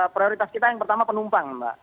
prioritas kita yang pertama penumpang mbak